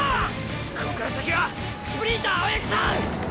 こっから先はスプリンター青八木さん！